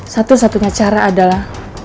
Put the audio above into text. satu satunya cara adalah